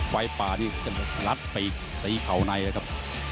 ไฟปลานี่รัดไปตีเขาในครับ